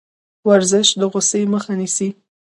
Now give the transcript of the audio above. ورزش د غوسې مخه نیسي.